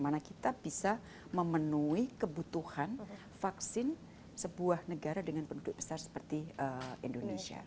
bagaimana kita bisa memenuhi kebutuhan vaksin sebuah negara dengan penduduk besar seperti indonesia